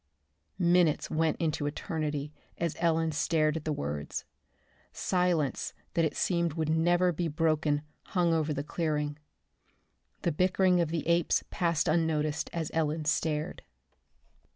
"_ Minutes went into eternity as Ellen stared at the words. Silence that it seemed would never be broken hang over the clearing. The bickering of the apes passed unnoticed as Ellen stared.